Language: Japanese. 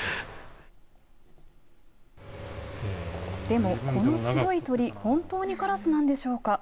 でも、この白い鳥、本当にカラスなんでしょうか。